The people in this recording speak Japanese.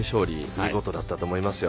見事だったと思いますよ。